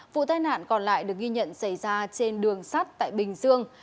vụ tai nạn còn lại được ghi nhận xảy ra trên đường sắt tại bình dương